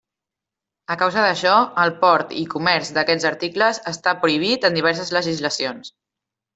A causa d'això, el port i comerç d'aquests articles està prohibit en diverses legislacions.